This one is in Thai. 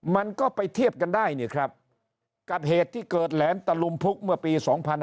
มันก็ไปเทียบกันได้นี่ครับกับเหตุที่เกิดแหลมตะลุมพุกเมื่อปี๒๕๕๙